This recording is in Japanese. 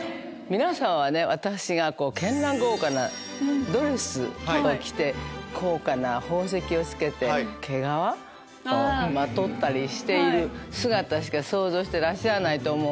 皆さんは私が絢爛豪華なドレスを着て高価な宝石を着けて毛皮まとったりしている姿しか想像してらっしゃらないと思う。